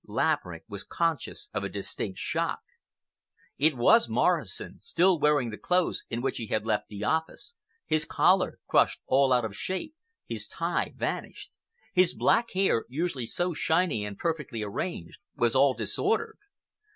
Laverick was conscious of a distinct shock. It was Morrison, still wearing the clothes in which he had left the office, his collar crushed out of all shape, his tie vanished. His black hair, usually so shiny and perfectly arranged, was all disordered.